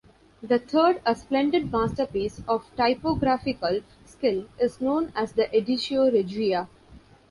The third, a splendid masterpiece of typographical skill, is known as the Editio Regia.